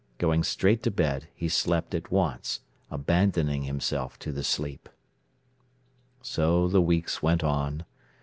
Going straight to bed, he slept at once, abandoning himself to the sleep. So the weeks went on.